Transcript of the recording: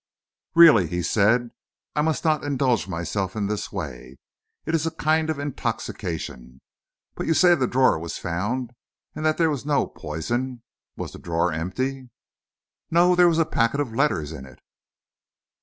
"Really," he said, "I must not indulge myself in this way. It is a kind of intoxication. But you say that the drawer was found and that there was no poison? Was the drawer empty?" "No, there was a packet of letters in it."